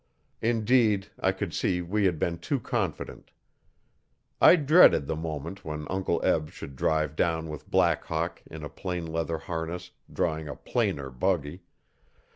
Indeed I could see we had been too confident. I dreaded the moment when Uncle Eb should drive down with Black Hawk in a plain leather harness, drawing a plainer buggy.